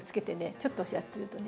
ちょっとやってるとね。